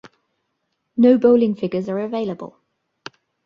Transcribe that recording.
No bowling figures are available.